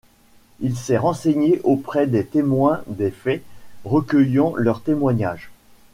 Il s'est renseigné auprès des témoins des faits, recueillant leur témoignage.